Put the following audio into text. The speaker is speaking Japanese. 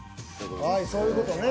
はいそういう事ね。